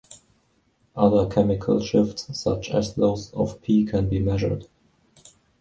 Other chemical shifts, such as those of P can be measured.